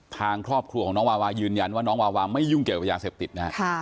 ทางครอบครัวของน้องวาวายืนยันว่าน้องวาวาไม่ยุ่งเกี่ยวกับยาเสพติดนะฮะ